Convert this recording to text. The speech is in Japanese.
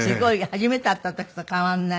初めて会った時と変わらない。